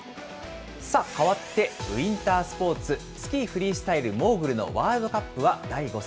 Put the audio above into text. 変わって、ウインタースポーツ、スキーフリースタイル、モーグルのワールドカップは第５戦。